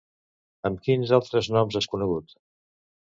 Amb quins altres noms és conegut?